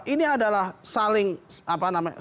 ini adalah saling apa namanya